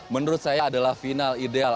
menurut saya adalah final ideal